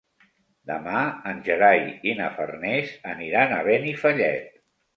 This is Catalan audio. Demà en Gerai i na Farners aniran a Benifallet.